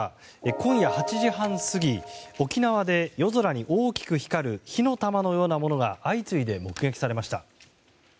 今夜８時半過ぎ、沖縄で夜空に大きく光る火の玉のようなものが相次いで目撃されました。